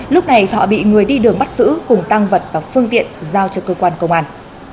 lúc này thọ bị người đi đường bắt giữ cùng tăng vật và phương tiện giao cho cơ quan công an